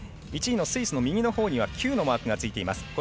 １位のスイスの右のほうにはＱのマークがついています。